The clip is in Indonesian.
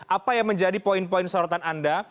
apa yang menjadi poin poin sorotan anda